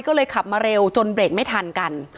ก็เลยขับมาเร็วจนเบรกไม่ทันกัน